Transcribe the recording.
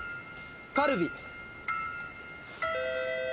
カルビ。